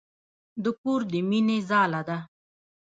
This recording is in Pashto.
د کور د مينې ځاله ده.